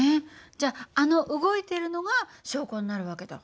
じゃああの動いてるのが証拠になる訳だ。